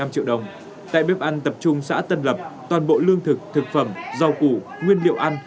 năm triệu đồng tại bếp ăn tập trung xã tân lập toàn bộ lương thực thực phẩm rau củ nguyên liệu ăn